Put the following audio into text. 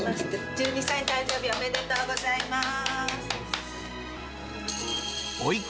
１２歳の誕生日、おめでとうございます。